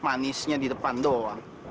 manisnya di depan doang